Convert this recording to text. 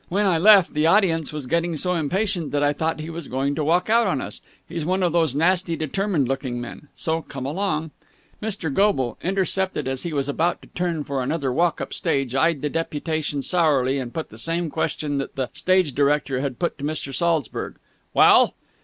When I left, the audience was getting so impatient that I thought he was going to walk out on us. He's one of those nasty, determined looking men. So come along!" Mr. Goble, intercepted as he was about to turn for another walk up stage, eyed the deputation sourly and put the same question that the stage director had put to Mr. Saltzburg. "Well?"